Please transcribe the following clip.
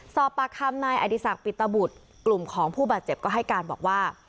สอบปากคำนายอดีศักดิ์ปิตบุตรกลุ่มของผู้บาดเจ็บก็ให้การบอกว่า